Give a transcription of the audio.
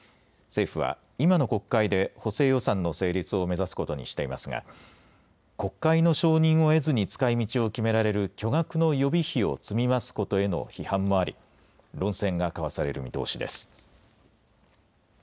政府は、今の国会で補正予算の成立を目指すことにしていますが、国会の承認を得ずに使いみちを決められる巨額の予備費を積み増すことへの批判もあり、論戦が交わされる見通しです。